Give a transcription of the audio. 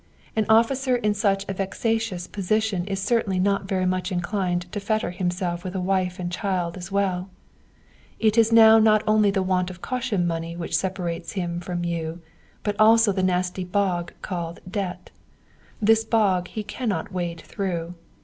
An officer in such a vexatious position is certainly not very much inclined to fetter himself with a wife and child as well. It is now not only the want of the caution money which separates him from you, but also that nasty bog called Debt. This bog he cannot wade through.